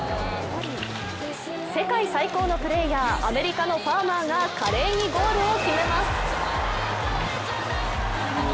世界最高のプレーヤー、アメリカのファーマーが華麗にゴールを決めます。